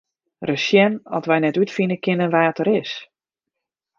Ris sjen oft wy net útfine kinne wa't er is.